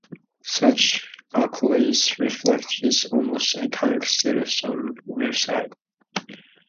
Such accolades reflect his almost 'iconic' status on Wearside.